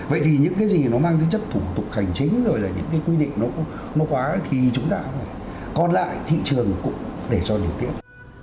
vậy thì những cái gì nó mang tính chất thủ tục hành chính rồi là những cái quy định nó quá thì chúng ta còn lại thị trường cũng để cho điều tiết